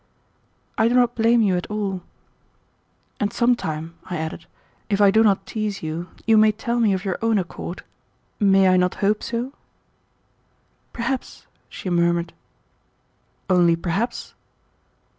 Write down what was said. "I do not blame you at all." "And some time," I added, "if I do not tease you, you may tell me of your own accord. May I not hope so?" "Perhaps," she murmured. "Only perhaps?"